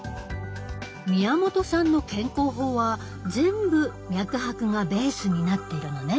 宮本さんの健康法は全部脈拍がベースになっているのね。